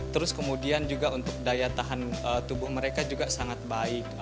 terus kemudian juga untuk daya tahan tubuh mereka juga sangat baik